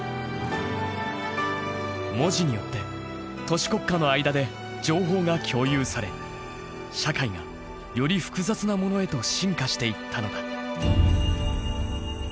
文字によって都市国家の間で情報が共有され社会がより複雑なものへと進化していったのだ。